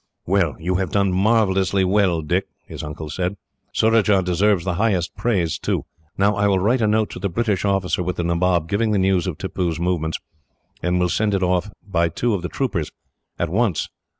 "Well, you have done marvelously well, Dick," his uncle said. "Surajah deserves the highest praise, too. Now I will write a note to the British officer with the Nabob, giving the news of Tippoo's movements, and will send it off by two of the troopers, at once.